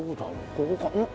ここか？